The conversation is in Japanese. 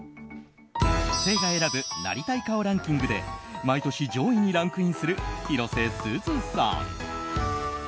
女性が選ぶなりたい顔ランキングで毎年、上位にランクインする広瀬すずさん。